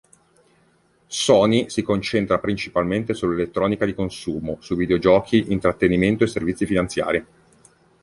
Sony si concentra principalmente sull'elettronica di consumo, sui videogiochi, intrattenimento e servizi finanziari.